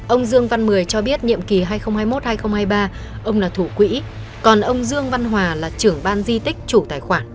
ông dương văn mười cho biết nhiệm kỳ hai nghìn hai mươi một hai nghìn hai mươi ba ông là thủ quỹ còn ông dương văn hòa là trưởng ban di tích chủ tài khoản